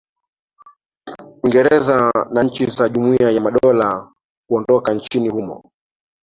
uingereza na nchi za jumuiya ya madola kuondoka nchini humo